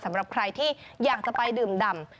สำหรับใครที่อยากจะไปดื่มดำ